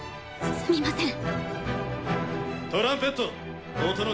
すみません！